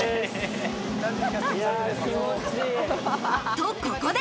と、ここで。